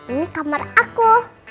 ini kamar aku